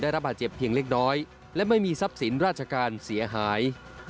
ระบาดเจ็บเพียงเล็กน้อยและไม่มีทรัพย์สินราชการเสียหาย